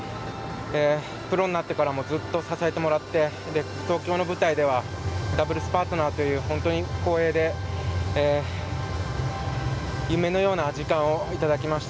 プロになってからもずっと支えてもらって東京の舞台ではダブルスパートナーという本当に光栄で夢のような時間をいただきました。